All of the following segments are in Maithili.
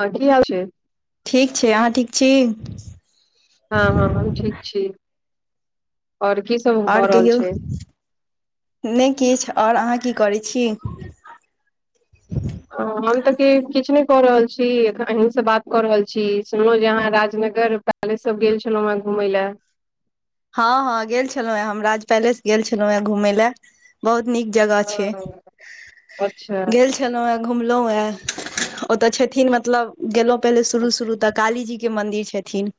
हँ की हल छै ठीक छै अहाँ ठीक छी हँ हँ हम ठीक छी और की सब भऽ रहल छै नई किछ और अहाँ की करैत छी हम तऽ किछु नहि कऽ रहल छीन अहीसँ बात कऽ रहल छी सुनलहुँ जे अहाँ राजनगर काले सब गेल छलहु घूमय लए हँ हँ गेल छलौँ हेँ हम राज पैलेस गेल छलौँ हं घूमय लए बहुत नीक जगह छै हँ, अच्छा गेल खेलौं हें घुमलों ए ओते छथिन मतलब गेलों पहिले शुरू शुरू तऽ काली जी के मंदिर छथिन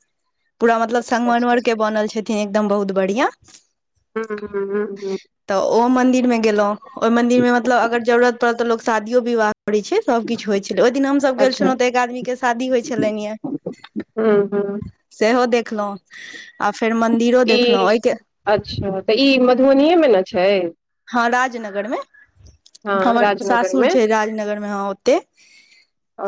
पूरा मतलब अच्छा अच्छा संगमर के बनल छथिन एकदम बहुत बढ़िआ हँ हँ हँ हँ तऽ ओ मंदिर मे गेलों ओहि मंदिर मे मतलब अगर जरूरत पड़ल तऽ लोग शादियो विवाह करैत छै सब किछु होइ छै छल ओहि दिन हमसभ गेल अच्छा छलहुँ तऽ एक आदमीके शादी होइ छलनि ये हँ हँ सेहो देखलहुँ आ फेर मंन्दिरो देखलहुँ ई ओहिके अच्छा तऽ ई मधुबनिये मे ने छै हँ राजनगरमे हँ हमर राजनगर सासुर मे छै राजनगरमे हं ओतै ओ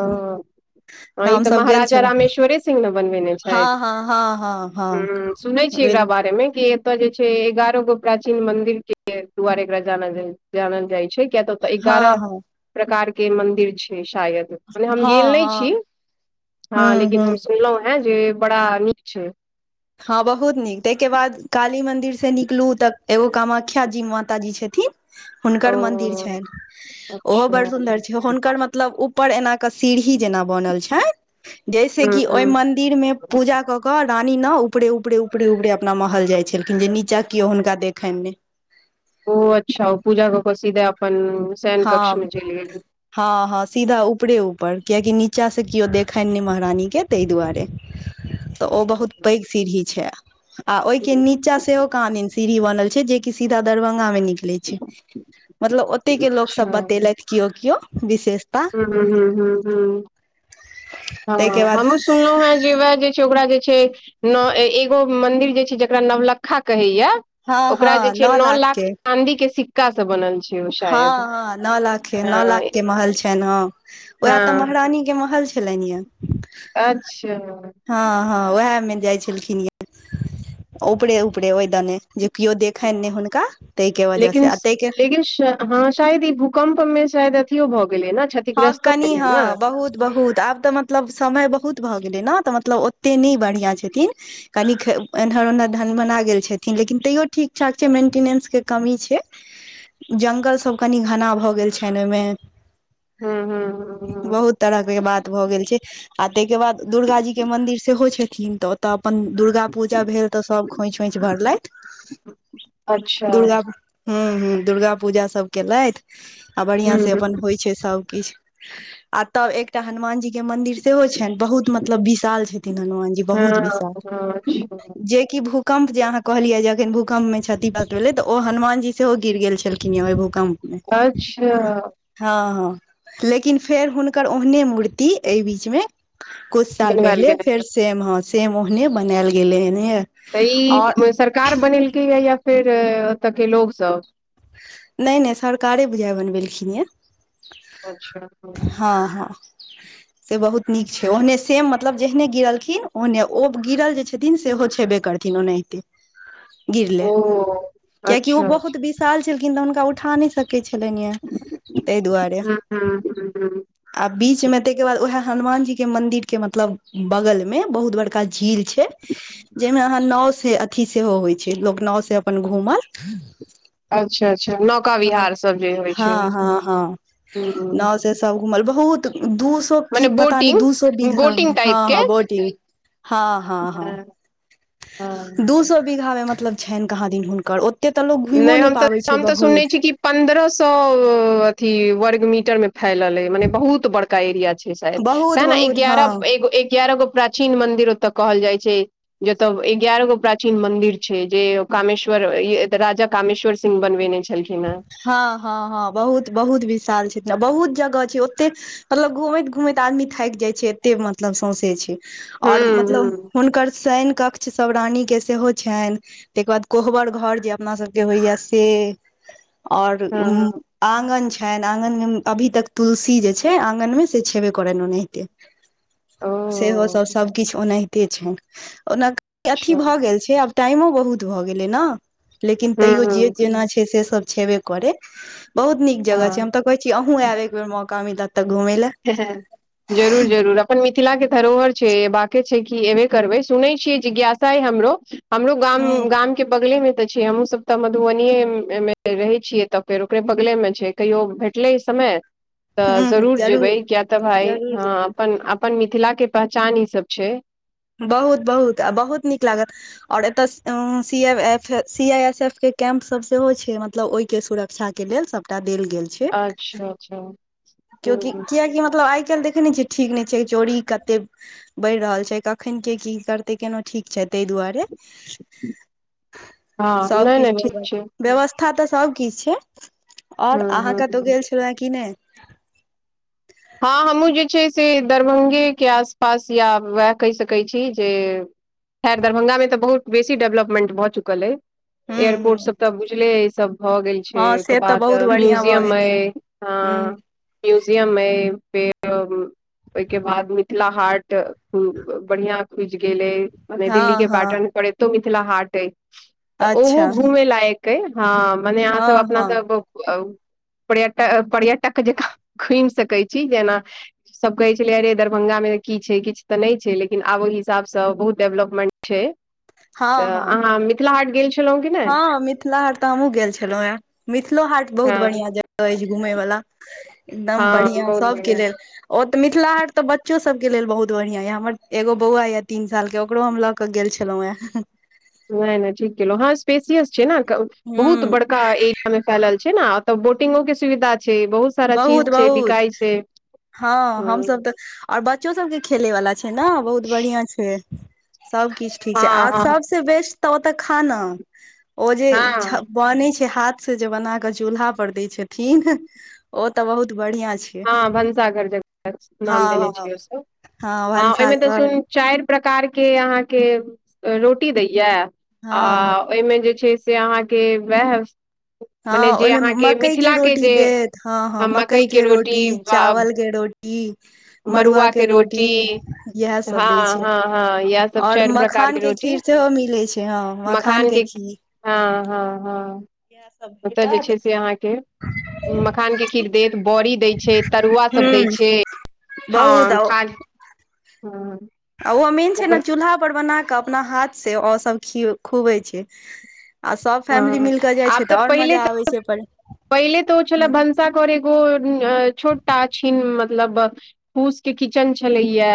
हँ, ई तऽ हमसभ गेल महाराजा छलहु रामेश्वरे सिंह ने बनबेने हँ छथि हँ हँ हँ हँ ह सुनै छीयै एकरा बिल बारे मे कि ओत जे छै एगारह गो प्राचीन मंदिर के दुआरे एकरा जानल जानल जाइ छै किया तऽ ओतऽ हँ एगारह हँ प्रकार के मंदिर छै शायद मने हम हँ गेल नहि छी हँ हँ हूँ लेकिन हम हूँ सुनलहुँ है जे बड़ा नीक छै हँ बहुत नीक ताहिके बाद काली मंदिर से निकलू तऽ एगो कामाख्याजी माताजी छथिन हुनकर मन्दिर छनि ओ ओहो अच्छा बड़ सुन्दर छ हुनकर मतलब ऊपर एनाके सीढ़ी जेना बनल छनि जैस ह कि ओई ह मंदिर मे पूजा कऽ क रानी न ऊपरे उपरे ऊपरे ऊपरे अपना महल जाइ छलखिन जे नीचा केओ हुनका देखनि नहि ओ अच्छा ओ पूजा कऽ कऽ सीधे अपन शैन कक्ष हँ मे चलि गेली हँ हँ सीधा ऊपरे ऊपर कियकि नीचा से केओ देखनि नहि महारानीके ताहि दुआरे तऽ ओ बहुत पैघ सीढ़ी छै आ ओहिके नीच नीचा सेहो काहां दिन सीढ़ी बनल छै जेकि सीधा दरभंगा मे निकले छै मतलब ओ ओताई के लोक सब अच्छा बतेलथि किओ किओ विशेष हूं ह हूं हूं हूं हँ ताहिके बाद हम हु सुनलहुँ हे जेएह जे छै ओकरा जे एगो मन्दिर जे छै जकरा नवलकखा कहैया हँ ओकरा जे हँ छै नओ नौ लाख के चाँदी के सिक्काँ स बनल छै ओ हँ शायद हँ नौ लाख नौ हँ लाख के महल छै हं उएह तऽ हँ महारानी के महल छलैन या अच्छा हँ हँ उएह मे जाइ छलखिन य [inaudible] ऊपरे ऊपरे ओहिदने जे केओ देखनि नहि हुनका ताहिके वजह से लेकिन आ ताहिके लेकिन हँ शायद ई भूकम्प मे शायद अथियो भऽ गेलै ने हँ क्षतिग्रस्तो कनि भेलै ने हँ बहुत बहुत आब तऽ म मतलब समय बहुत भऽ गेलै ने तऽ मतलब ओतेक नहि बढ़िआँ छथिन कनि एन्हर ओन्हर ढन मना गेल छथिन लेकिन तैयो ठीक ठाक छै मेंटिनेंसके कमी छै जंगल सभ कनि घना भऽ गेल छनि ओहिमे हूं हूं हूं बहुत तरह के बात भऽ गेल छै आ ताहि के बाद दुर्गा जी के मंदिर सेहो छथिन तऽ तऽ अपन दुर्गा पूजा भेल तऽ सभ खोँछ ओइंछ भरलथि अच्छा ह ह दुर्गा पूजा सब केलैथ आ बढ़िया से हूँ अपन होइ सब किछु आ तब एकटा हनुमानजी के मंदिर सेहो छनि बहुत मतलब विशाल छथिन हनुमानजी बहुत हँ विशाल अच्छा जेक भ भूकंप जे अहाँ कहलियै जे एखन भूकंप मे क्षति बात भेलै तऽ ओ हनुमान जी सेहो गिर गेल छलखिन य ओ भूकंप अच्छा हँ हँ लेकिन फेर हुनकर ओहने मूर्ति एहि बीचमे कुछ साल बनवायल पहिले गेलै फेर सेम ह सेम ओहने बनायल गेले हेन तऽ ई सरकार बनेलकै यए या फेर एतय के लोगसभ नै नै सरकारे बुझाइ बनबेलखिन हे अच्छा हम्म। हँ हँ से बहुत नीक छै ओहने सेम मतलब जेहने गिरलखिन ओहने ओ गिरल जे छथिन सेहो छेबे करथिै ओनैते गिरले ओ क्याकि ओ अच्छा अच्छा बहुत बिस साल छलखिन तऽ हुनका उठा नहि सकै छलनि य ताहि दुआरे हुं हुं हुं आ बीच मे ताहिके बाद उएह हनुमान जी के मंदिर के मतलब बगल में बहुत बड़ झील छै जाहिमे अहाँ नौ से अथी सेहो होइ छै लोक नाव से अपन घूमल अच्छा अच्छा नौका ह विहार सब जे होइ छै हँ हँ हँ हुं नओ सब घूमल बहुत दू की मने पता न बोटिंग दू सो बीघा मे बोटिंग हँ टाइप के हँ बहुटी हँ हँ हँ हाँ हाँ। दू सो बीघामे मतलब छनि कहाँ दिन हुनकर एते तऽ लोग घुमियो नै पाबै छै बहुत पंन्द्रह सौ अथी वर्गमीटर में फैलल मने बहुत ब एरिया छै शायद बहुत ते ने बहुत हँ एगारह एगो एगारह गो प्राचीन मंन्दिर ओतऽ कहल जाइ छै जतय एगारह गो प्राचीन मंदिर छै जे कामेश्वर त राजा कामेश्वर सिंह बनबेने छलखिन हँ हँ हँ हँ बहुत बहुत विशाल छथि ने बहुत जगह छै ओते मतलब घूमैत घूमैत आदमी थैक जाय छै एते मतलब सौंसे छै आओर हुं मतलब हुं हुनकर शैन कक्ष कचछ सब रानी के सेहो छनि ताहिके बाद कोहबर घर जे अपना सबके होइया से आओर उ हँ आगन छनि आँगन मे अभी तक तुलसी जे छै आगन मे से छेबे करनि ओनाहिते ओ [inaudible] सेहो सभ सभकिछु ओनाहिते छनि ओना अथी अच्छा भऽ गेल छै आब टाइमो बहुत भऽ गेलै ने लेकिन हँ तैयो जे हँ जेना छै से सब छेबे करै बहुत नीक जगह छै हम हँ त कहे छीे अहुूँ आब एक बेर मौका मिलत तऽ घुमय लए जरूर जरूर अपन मिथिला के धरोहर छै एबाके छै कि एबे करबै सुनै छियै जिज्ञासा हमरो हमरो गाम हूँ गाम के बगले मे ते छै हमहुँ सब तऽ मधुबनीेये मे मे रहे छियै तऽ फेर ओकरे बगले मे छै कहियो भेटलै समय तऽ हूँ हूँ जरूर जेबै किया तऽ भााय जरूर हँ जरूर अपन अपन मिथिलाके पहचान ईसभ छै बहुत बहुत आ बहुत नीक लागत आओर एतय सी‌आई। एस एफ के कैम्प सब सेहो छै मतलब ओहिके सुरक्षा के के लेल सबटा देल गेल छै अच्छा अच्छा हँ कियकि मतलब आइ काल् देखे नहि छ ठीक नहि छै चोरी कते बढ़ि रहल छै क खनख ‌के‌की करतै केना ठीक छै ताहि दुरे हँ नहि नहि सबकिछु ठीक ब छै व्यवस्था तऽ सबकिछु छै ओर हँ अहाँ कतो हँ गेल छलहु हे की नहि हँ हमहूँ जे छै से दरभंगेके आसपास या उएह कहि सकैत छी जे खैर दरभंगा तऽ बहुत बेसी डेवलपमेन्ट भऽ चुल अइ हूं एयरपोर्ट सब हूं तऽ बुझले ई सब भऽ गेल छै हँ ओहिके से तऽ बाद बहुत बढ़िआं भऽ म्यूजियम गेल अय ये हँ हूं म्यूजियम ऐ फेर ओहिके बाद मिथिला हाट ख बढ़िया खुजि गेल अ मने दिल्ली हँ के हँ पैटर्न पर एतो मिथिला हाट अय तऽ ओहो अच्छा घूमे लायक के हँ मने अहाँसभ हँ अपना हँ सब पर्यटक पर्यटक जकाँ घुमि सकैत छी जेना सभ कहै छलै रे दरभंगा मे की छै किछु तऽ नहि छै लेकिन आब ओहि हिसाबसँ बहुत डेवलपमेंट छै हँ तऽ हँ अहाँ मिथिला हाट गेल छी हँ मिथिला हाट तऽ हमहूँ गेल छलहुँ हेँ मिथिलो हाट बहुत हँ बढ़ियां जगह अछि घुमय वला एकदम हँ बढ़िया बहुत सबके बढ़िआँ लेल ओते मिथिला हाट तऽ बच्चो सब के लेल बहुत बढ़िया या हमर एगो बौआ ये तीन साल के ओकरो हम लग के गेल छलहुँ हेँ नहि नहि ठीक केलहु हँ स्पेसियस छै ने बहुत हूँ बड़ का एरिया मे फैल छै ने ओतऽ बोटिंगो के सुविधा छै बहुत सारा बहुत चीज छै बहुत बिकाइ छै हँ हमस तऽ और बच्चो सबके खेलय वाला छै ने बहुत बढ़िया छै सब किछु ठीक छै हँ आ हँ सब से बेस्ट तऽ ओ तऽ खाना ओ जे हँ बनै छै हाथ से जे बना के चूल्हा पर देय छथिन ओ ते बहुत बढ़िया छै हँ भनसाघर जकर नाम देने हँ हँ छिय ओ सब हँ ओहिमे तऽ सुन चारि प्रकार के अहाँके रोटी दैय हँ हँ आ ओहिमे जे छै से अहाँके वएह हँ मने जे ओहिमे अहाँके मकई के मिथिलाके रोटी जे देत हँ हँ अ, मकई मकइके के रोटी रोटी आ, चावल के रोटी मड़ुआ के रोटी इह सब हँ दै छै हँ हँ इएह सब और चारि प्रकार मखान के रोटी खीर सेहो मिले छै हँ मखान के खीर हँ हँ हँ ओतऽ जे छै से अहाँके मखान के खीर देत बड़ी दै तरुआ सब दै हूं छै बहुत हँ आ क आ ओ मेन छै ने चूल्हा पर बना कऽ अपना हाथ से ओ सब ख खुबै छै आ सब फैमिली हँ मिल क जाय आब छै तऽ आओर पहिले मजा आबे छै ओइपर पहिले तऽ ओ छलए भनसार एगो छोटा छिन मतलब फूस के किचन छलैया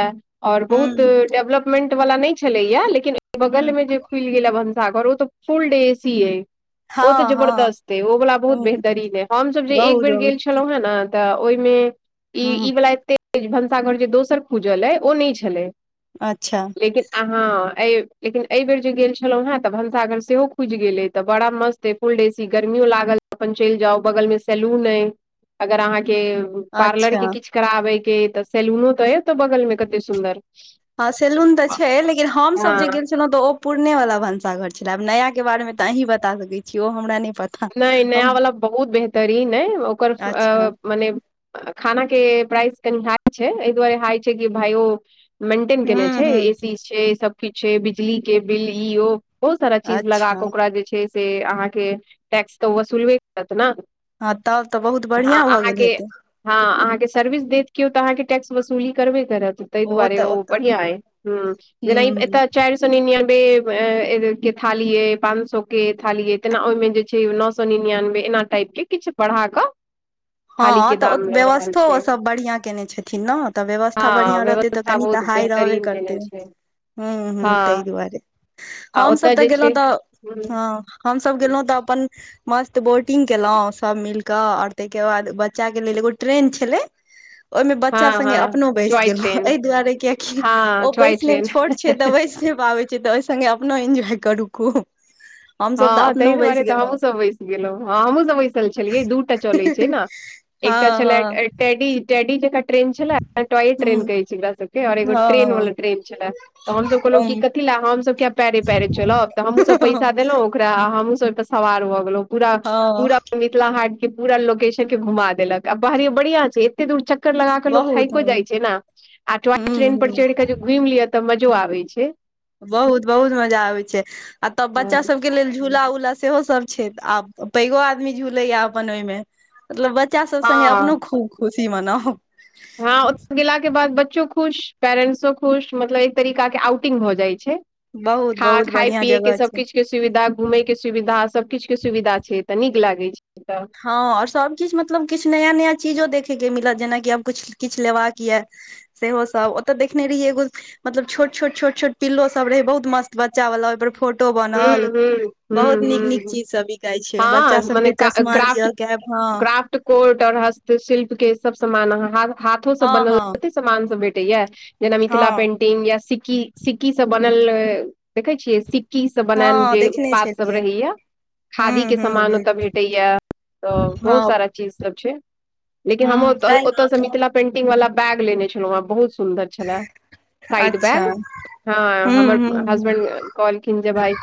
और बहुत हूं डेवलपमेंट वाला नहि छलैया लेकिन बगलमे जे खुलि गेल हा भनसाघर ओ तऽ फुल डे सी अय ओ तऽ हँ हँ जबरदस्त अे ओ बला बहुत हूं बेहतरीन हे हमसभ जे एक बहुत बेर बहुत गेल छलहुँ हेँ ने तऽ ओहिमे ई हूं ई वला एते भनसाघर जे दोसर खूजल अइ ओ नहि छलै अच्छा लेकिन अहाँ लेकिन एहि बेर जे गेल छलौं हें तऽ भनसाघर सेहो खुज गेल गेले तऽ बड़ा मस्त अय फुल देसी गर्मियो लागल अपन चलि जाउ बगल मे सैलून अइ अगर अहाँके पार्लर अच्छा के किछु कराबे के तऽ सैलूनो तऽ एत बगल मे कते सुन्दर हँ सैलून तऽ छै लेकिन हम सब हँ जे गेल छलौं तऽ ओ पुरने वाला भनसाघर छल आब नया के बारे मे तऽ अहीं बता सकैत छी ओ हमरा नहि पता नहि हम नया वला बहुत बेहतरीन अय ओकर अच्छा मने खाना के प्राइस कनि हाइ छै एहि दुआरे हाइ छै कि भाइयो मेन्टेन केने हूँ छै हूँ ए सी छै सब किछु छै बिजली के बिल ई ओ बहुत सारा चीज लगा अच्छा कऽ ओकरा जे छै से अहाँके टैक्स तऽ वसूलबे करत न हँ तब तऽ बहुत बढ़िआं भऽ गेल हेतै हँ अहाँके सर्विस देत केओ तऽ अहाँके टैक्स वसूली करबे करत तई दुआरे ओ बढ़ियां अइ हूं हूँ जेना हूँ एतऽ चारि सौ निन्यानवे के थालीए पांच सौ के थालीए तेना ओइमे जे नौ सौ निन्यानवे एना टाइप के किछु बढ़ा कऽ थाली हँ के तऽ दाम लऽ रहल व्यवस्थो छै ओ सब बढ़िआँ केने छथिन न तऽ व्यवस्था हँ बढ़िआँ रहतै त व्यवस्था कनी तऽ बहुत हाइ रहबे बेहतरीन करतै केने छै हूं हूं तइ हँ दुआरे आ हमसब ओतय तऽ जे गेलहुँ छै तऽ हं हम सभ गेलहुं तऽ अपन मस्त बोटिंग केलहुं सब मिलक आर त के बाद बच्चा के लेल एगो ट्रेन छलै ओहिमे बच्चा हँ स्गे हँ अपनो बैस टॉय गेलो ट्रेन एहि दुआरे क्याकि हँ ओ टॉय बैसनइ ट्रेन छोट छै तऽ बैस नइ पाबै छै तऽ ओहि सङ्गे अपनो एन्जॉय करू खूब हमसभ तऽ हँ तइ अपनो बैस दुआरे तऽ गेलहुँ हमहुँसब बैस गेलहुँ हँ हमहूँ सब बैसल छलियै दु चलै छै न एकटा हँ छलैथ हँ टेडी टेडी जेका ट्रेन छला टॉय ट्रेन ह कहै एकरा सबके ओर एगो ट्रेन हँ वाला ट्रेन छला त हमस कहलौं कथि ले हमस पैरे पैरे चलब तऽ हमहुँ सब हँ पैसा देलहुं ओकरा आ हमहुं सब ओइ पर सवार भऽ गेलौ पूरा हँ पूरा मिथिला हाट के पूरा लोकेशन के घुमा देलक आ बाहरियो बढ़िया छै एते दूर चक्कर लगाक के लोक बहुत थाइको ह जाइ छै न आ टाॅय ट्रेन पर ह चढ़िकय घुमि लिअ तऽ मजो आबै छै बहुत बहुत मजा आबै छै आ तब बच्चा सब के लेल झूला उलाउल सेहो सब छै आब पैघो आदमी झूलेया अपन ओइमे मतलब बच्चा सब सङ्गे हँ अपनो खूब खुशी मनाउ हँ ओ गेलाके के बाद बच्चो खुश पेरेंट्सो खुश मतलब एक तरीका के आउटिंग भऽ जाइ छै बहुत खा बहुत खाय बढ़िया पियएके जगह सब छै किछ के सुविधा घुमयके सुविधा सभकिछुके सुविधा छै तऽ नीक लागैत छै तऽ हँ और सब किछु मतलब किछु नया नया चीजो देखेके मिलत जेनाकि आब किछ किछु लेबाके यऽ सेहो सब ओतऽ देखने रहियै एगो मतलब छोट छोट छोट छोट पिल्लो सब रहै छै बहुत मस्त बच्चा वाला ओहि पर फोटो टो हूँ बनल हूँ बहुत निक हूँ नीक हूँ चीज सब बिकायई छै हँ बच्चा सब मने क का च क्राफ्ट क्राफ्ट कोर्ट और हस्तशिल्प के सब समान आ हा हाथो सब हँ बनल हँ कते सामान सब भेटैया जेना मिथिला हँ पेंटि टिंग या सिक्की सिक्की से बनल देखे छियै सिक् [unintelligible] की सब बनायल हँ जे देखने उत्पाद सब छलियै रहैया खादी हूँ के हूँ सामान हूँ ओतय भेंटैया तऽ बहुत हँ सारा चीज सब छै लेकिन हम हूँ तैं ओतयसँ ने मिथिला पेंटिंग वाला बैग लेने छलहुँ ह बहुत सुन्दर छला साइड अच्छा बैग हूँ हं हमर हूँ हैडबैंड कह जे भाइ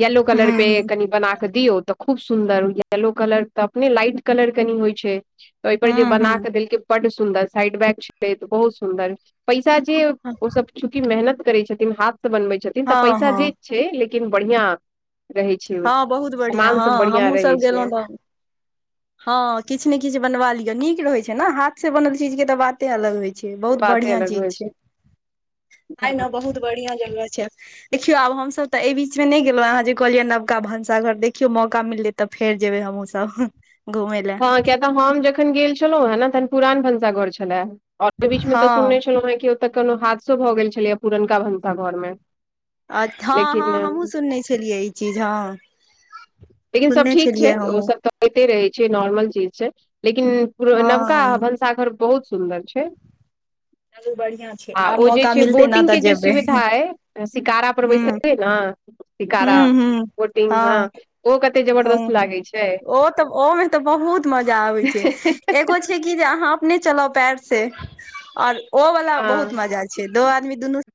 येल्लो हूँ कलर पेट हूँ क के बना कऽ दियौ तऽ खूब सुन्दर येलो कलर तऽ अपने लाइट कलर कनि होइ छै ओइपर जे हूँ हूँ बना हूँ कऽ देलकै बड सुन्दर साइड बैग छलै तऽ बहुत सुन्दर पैसा जे ओ सब चूँकि मेहनत करै छथिन हाथ से बनबै छथिन तऽ पैस जेए हँ हँ छै लेकिन बढ़िआ रहै छै हँ बहुत बढ़िआँ सामान सब हँ बढ़िआँ हमहूँ रहै सब छै गेलहुँ तऽ हँ किछ ने किछ बनवा लिय नीक रहै छै ने हाथ से बनल चीज के तऽ बात कते अलग होइ छै बहुत बाते बढ़िया अलग चीज होइ छै आइ ने बहुत बढ़िया जगह छै देखियो आब हमस तऽ ऐ बीच मे नइ गेलों अहाँ जे कहलियै नवका भनसा घर देखियौ मौका मिललै तऽ फेर जेबै हमहुँ सब घूमय हँ लए किया तऽ हम जखन गेल छलहौं हँ ने तहन पुरान भनसाघर छला एहि बीच मे तऽ हँ सुनने छलहुँ हें तऽ कोनो हादसो भऽ गेल छलैया पुरनका भनसा घर मे अ हँ हँ लेकिन हमहूँ लेकिन सुनने छलियै ई चीज हँ लेकिन सब सुनने ठीक छै छलियै ओ हमहुँ सब तऽ होइते रहै छै नॉर्मल चीज से लेकिन नवका हँ भंसाघर बहुत सुन्दर छै त [inaudible] आ ओ जे छै बोटिंगके जे जेबै सुविधा अइ शिकारा पर ह बैसलै न ह शिकारा वोटिंग हँ ओ क ह ओ तऽ ओमे तऽ बहुत मजा आबै छै एगो कि जे अहाँ अपने चलाउ पैर से और ओ वाला हँ बहुत मजा छै दो आदमी दुनू